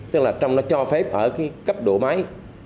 tức là trong nó cho phép ở cái cấp độ máy